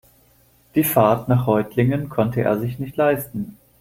Die Fahrt nach Reutlingen konnte er sich nicht leisten